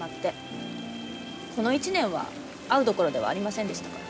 この１年は会うどころではありませんでしたから。